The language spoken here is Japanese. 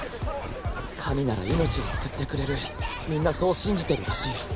神なら命を救ってくれるみんなそう信じてるらしい。